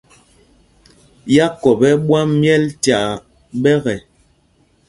Yákɔp ɛ́ ɛ́ ɓwam myɛl tyaa ɓɛ́kɛ.